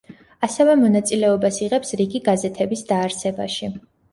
ასევე მონაწილეობას იღებს რიგი გაზეთების დაარსებაში.